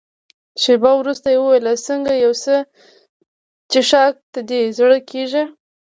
شېبه وروسته يې وویل: څنګه یو څه څیښاک ته دې زړه کېږي؟